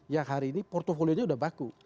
yang hari ini portfolionya sudah baku